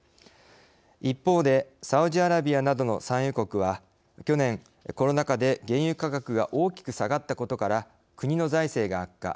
一方でサウジアラビアなどの産油国は去年コロナ禍で原油価格が大きく下がったことから国の財政が悪化。